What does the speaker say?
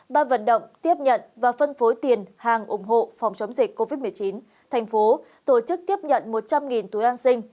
ba vận động tiếp nhận và phân phối tiền hàng ủng hộ phòng chống dịch covid một mươi chín thành phố tổ chức tiếp nhận một trăm linh túi an sinh